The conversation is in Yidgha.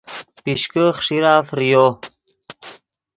پیشکے خݰیرہ فریو